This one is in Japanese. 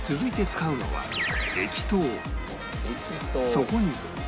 そこに